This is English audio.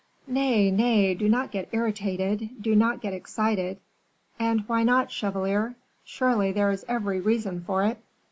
"Nay, nay, do not get irritated do not get excited." "And why not, chevalier? surely there is every reason for it.